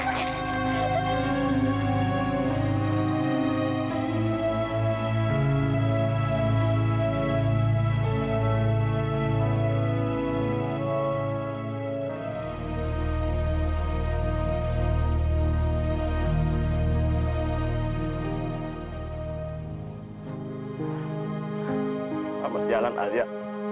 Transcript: selamat jalan alia